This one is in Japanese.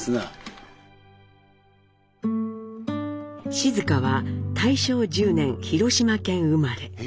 静香は大正１０年広島県生まれ。